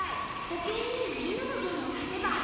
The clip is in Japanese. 保健委員みんなの分も足せば。